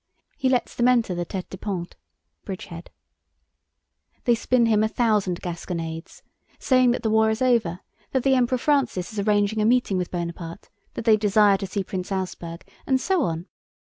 He lets them enter the tête de pont. * They spin him a thousand gasconades, saying that the war is over, that the Emperor Francis is arranging a meeting with Bonaparte, that they desire to see Prince Auersperg, and so on.